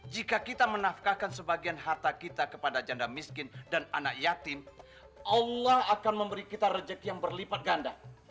jika kita menafkahkan sebagian harta kita kepada janda miskin dan anak yatim allah akan memberi kita rezeki yang berlipat ganda